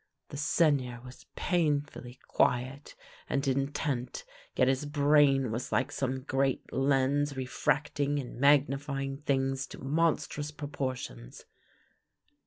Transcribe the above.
" The Seigneur was painfully quiet and intent, yet his brain was like some great lens refracting and magnify ing things to monstrous proportions.